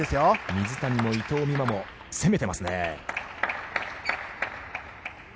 水谷も伊藤美誠も攻めていますね。